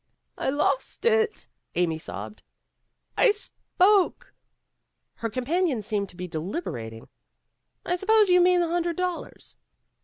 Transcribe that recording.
"I lost it," Amy sobbed. "I spoke." Her companion seemed to be deliberating. "I s'pose you mean the hundred dollars."